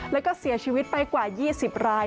แล้วก็เสียชีวิตไปกว่า๒๐ราย